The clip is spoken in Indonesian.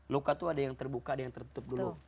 luka tuh ada yang terbuka ada yang tertutup dulu